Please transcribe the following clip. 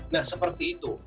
nah seperti itu